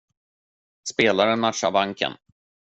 Spelaren matchar banken.